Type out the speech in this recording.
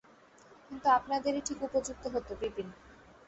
কিন্তু আপনাদেরই ঠিক উপযুক্ত হত– বিপিন।